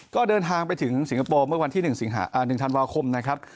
ก็เดินทางไปถึงสิงคโปร์เมื่อวันที่๑ธันวาคมนะครับ